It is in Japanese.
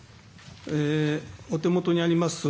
お手元にあります